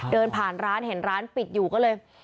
เดินผ่านร้านเห็นร้านปิดอยู่ก็เลย